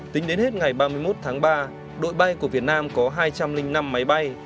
tính đến hết ngày ba mươi một tháng ba đội bay của việt nam có hai trăm linh năm máy bay